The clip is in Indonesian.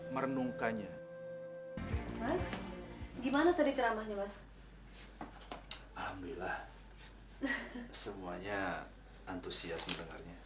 merenungkannya gimana tadi ceramahnya mas alhamdulillah semuanya antusias mendengarnya